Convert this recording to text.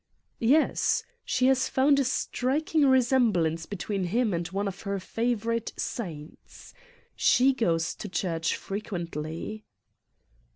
"Yes. She has found a striking resemblance between him and one of her favorite saints. She goes to church frequently."